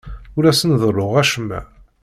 Ur asen-ḍelluɣ acemma.